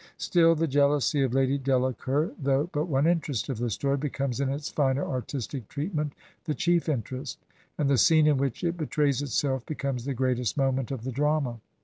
Still, the jealousy of Lady Delacour, though but one interest of the story, becomes in its finer artistic treatment the chief interest; and the scene in which it betrays itself becomes the greatest moment of the drama.